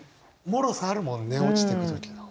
もろさあるもん寝落ちてく時の。